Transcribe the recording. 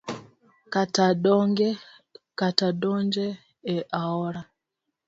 Kata donjo e aora